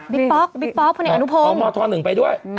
บิ๊บป๊อบผนิกอนุพงศ์อ๋อมธหนึ่งไปด้วย